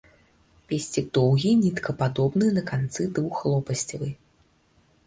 Песцік доўгі, ніткападобны, на канцы двухлопасцевы.